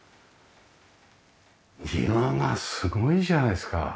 庭がすごいじゃないですか。